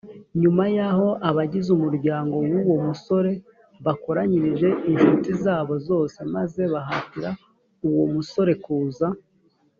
nyuma yaho abagize umuryango w uwo musore bakoranyije incuti zabo zose maze bahatira uwo musorekuza